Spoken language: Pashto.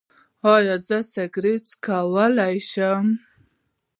ایا زه سګرټ څکولی شم؟